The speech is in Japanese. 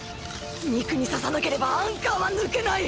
肉に刺さなければアンカーは抜けない！！